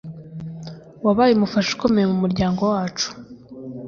Wabaye umufasha ukomeye mumuryango wacu